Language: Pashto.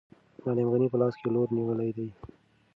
معلم غني په لاس کې لور نیولی دی.